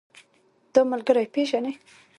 دا ملګری پيژنې؟